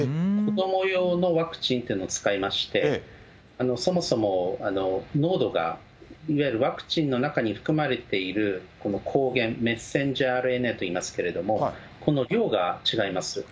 子ども用のワクチンっていうのを使いまして、そもそも濃度が、いわゆるワクチンの中に含まれているこの抗原、ｍＲＮＡと言いますが、この量が違います。